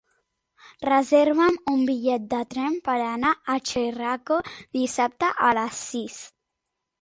Reserva'm un bitllet de tren per anar a Xeraco dissabte a les sis.